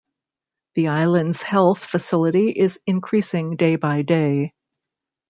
The islands health facility is increasing day by day.